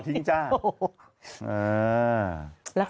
แป๊บ